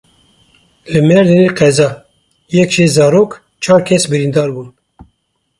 Li Mêrdînê qeza: yek jê zarok çar kes birîndar bûn.